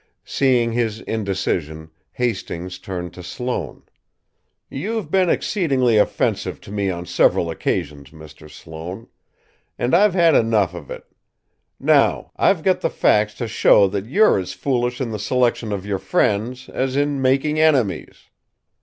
Seeing his indecision, Hastings turned on Sloane. "You've been exceedingly offensive to me on several occasions, Mr. Sloane. And I've had enough of it. Now, I've got the facts to show that you're as foolish in the selection of your friends as in making enemies.